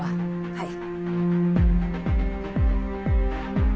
はい。